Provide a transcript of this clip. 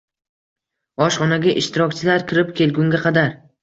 Oshxonaga ishtirokchilar kirib kelgunga qadar